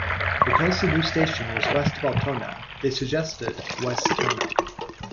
Because the new station was west of Altona, they suggested Westona.